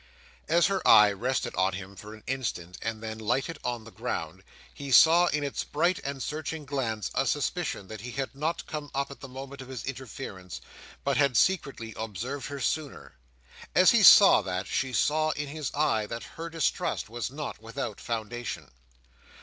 As her eye rested on him for an instant, and then lighted on the ground, he saw in its bright and searching glance a suspicion that he had not come up at the moment of his interference, but had secretly observed her sooner. As he saw that, she saw in his eye that her distrust was not without foundation.